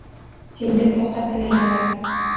Senga toqat tilaganlarim?